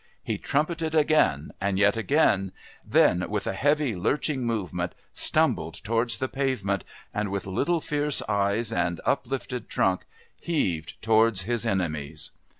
He trumpeted again and yet again, then, with a heavy lurching movement, stumbled towards the pavement, and with little fierce eyes and uplifted trunk heaved towards his enemies.